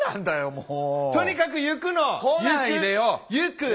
もう。